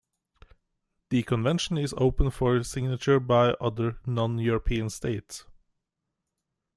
The Convention is open for signature by other non-European states.